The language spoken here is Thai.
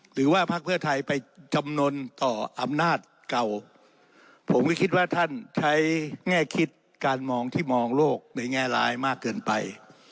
พักเพื่อไทยไปจำนวนต่ออำนาจเก่าผมก็คิดว่าท่านใช้แง่คิดการมองที่มองโลกในแง่ร้ายมากเกินไป